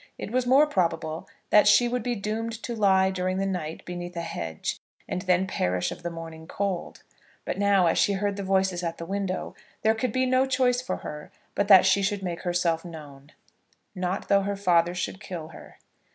It was more probable that she would be doomed to lie during the night beneath a hedge, and then perish of the morning cold! But now, as she heard the voices at the window, there could be no choice for her but that she should make herself known, not though her father should kill her.